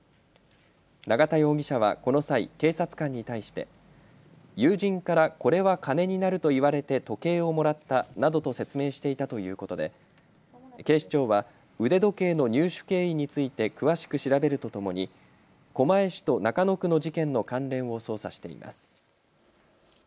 永田容疑者はこの際、警察官に対して友人から、これは金になると言われて時計をもらったなどと説明していたということで警視庁は腕時計の入手経緯について詳しく調べるとともに狛江市と中野区の事件の関連を捜査しています。